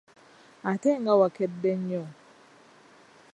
Ate nga wakedde nnyo?